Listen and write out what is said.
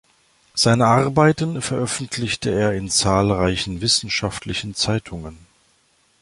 Seine Arbeiten veröffentlichte er in zahlreichen wissenschaftlichen Zeitungen.